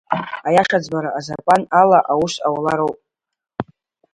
Аиашаӡбара Азакәан ала аус аулароуп.